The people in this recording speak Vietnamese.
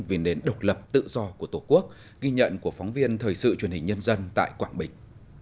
vì nền độc lập tự do của tổ quốc ghi nhận của phóng viên thời sự truyền hình nhân dân tại quảng bình